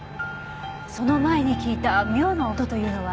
その前に聞いた妙な音というのは？